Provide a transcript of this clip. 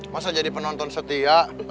masa jadi penonton setia